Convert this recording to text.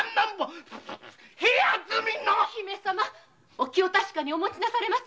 お気を確かにお持ちなされませ。